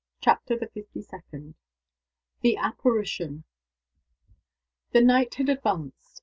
CHAPTER THE FIFTY SECOND. THE APPARITION. THE night had advanced.